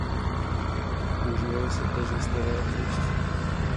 Používalo se též ve staré angličtině.